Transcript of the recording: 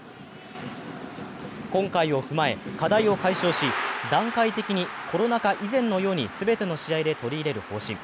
今回を踏まえ、課題を解消し、段階的にコロナ禍以前のように全ての試合で取り入れる方針。